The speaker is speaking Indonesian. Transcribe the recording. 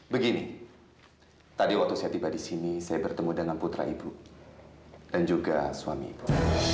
begini tadi waktu saya tiba di sini saya bertemu dengan putra ibu dan juga suami ibu